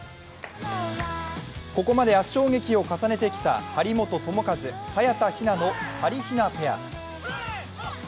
ここまでは圧勝劇を重ねてきた張本智和、早田ひなのはりひなペア。